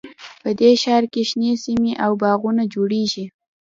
په دې ښار کې شنې سیمې او باغونه جوړیږي